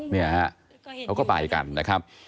เนี่ยฮะเขาก็ไปกันนะครับ